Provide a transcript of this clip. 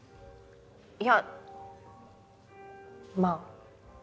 いやまあ。